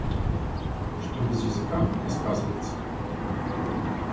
Что без языка, а сказывается?